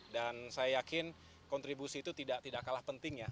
dan saya yakin kontribusi itu tidak kalah pentingnya